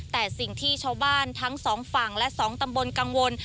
แต่สิ่งที่ชาวบ้านทั้งสองฝั่งและ๒ตำบลกังวล